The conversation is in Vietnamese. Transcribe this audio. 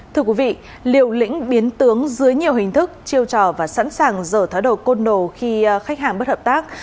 thưa quý vị liều lĩnh biến tướng dưới nhiều hình thức chiêu trò và sẵn sàng dở thái đầu côn đồ khi khách hàng bất hợp tác